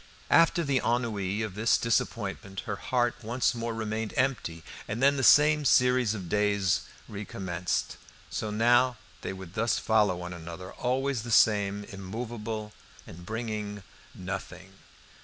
After the ennui of this disappointment her heart once more remained empty, and then the same series of days recommenced. So now they would thus follow one another, always the same, immovable, and bringing nothing.